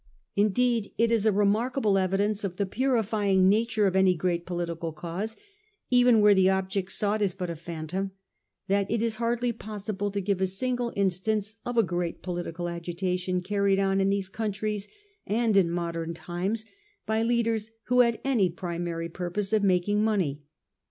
Indeed, it is a remarkable evidence of the purifying nature of any great political cause, even where the object sought is but a phantom, that it is hardly possible to give a single instance of a great political agitation carried on in these countries and in modem times by leaders who had any primary purpose of making money.